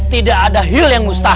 tidak ada hil yang mustahak